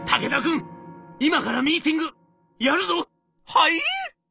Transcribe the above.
「はい？」。